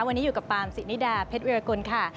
วันนี้อยู่กับปามสินิดาเพชรวิรากุลค่ะ